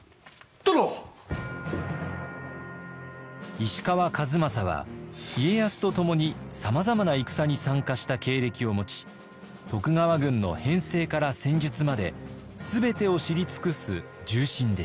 石川数正は家康と共にさまざまな戦に参加した経歴を持ち徳川軍の編制から戦術まで全てを知り尽くす重臣でした。